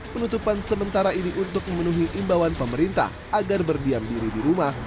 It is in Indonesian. penutupan sementara ini untuk memenuhi imbauan pemerintah agar berdiam diri di rumah